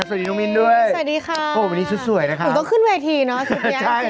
สวัสดีนุ้งมินด้วยโอ๊ยวันนี้ชุดสวยนะคะชุดยากจริงต้องขึ้นเวทีเนอะ